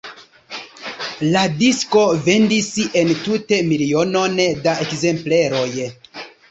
La disko vendis entute milionon da ekzempleroj.